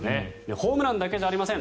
ホームランだけじゃありません